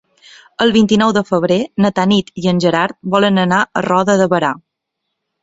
El vint-i-nou de febrer na Tanit i en Gerard volen anar a Roda de Berà.